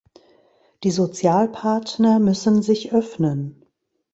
Die Sozialpartner müssen sich öffnen.